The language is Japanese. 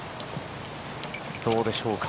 どうでしょうか。